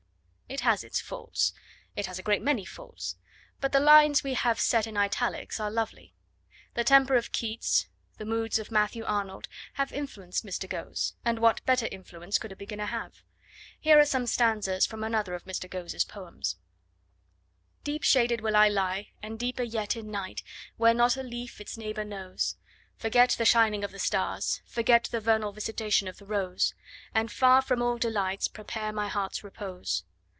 It has its faults. It has a great many faults. But the lines we have set in italics are lovely. The temper of Keats, the moods of Matthew Arnold, have influenced Mr. Ghose, and what better influence could a beginner have? Here are some stanzas from another of Mr. Ghose's poems: Deep shaded will I lie, and deeper yet In night, where not a leaf its neighbour knows; Forget the shining of the stars, forget The vernal visitation of the rose; And, far from all delights, prepare my heart's repose.